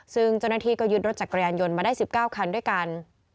ซึ่งเจ้าหน้าที่ก็ยึดรถจักรยานยนต์มาได้๑๙คันด้วยกัน